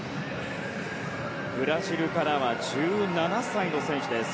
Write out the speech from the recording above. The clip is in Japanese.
ブラジルからは１７歳の選手です。